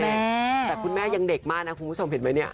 แต่คุณแม่ยังเด็กมากนะคุณผู้ชมเห็นไหมเนี่ย